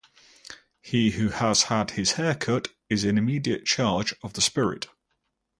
He who has had his hair cut is in immediate charge of the spirit.